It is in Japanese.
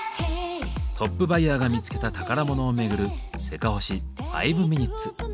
トップバイヤーが見つけた宝物を巡る「せかほし５ｍｉｎ．」。